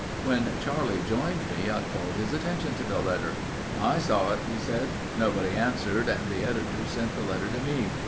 When Charlie joined me I called his attention to the letter. "I saw it," he said. "Nobody answered and the editor sent the letter to me.